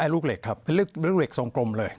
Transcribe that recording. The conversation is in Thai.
ลูกเหล็กครับเป็นลูกเหล็กทรงกลมเลย